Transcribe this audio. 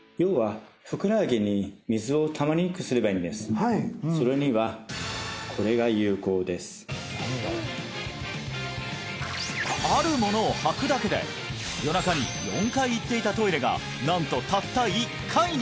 要はそれにはこれが有効ですあるものをはくだけで夜中に４回行っていたトイレがなんとたった１回に！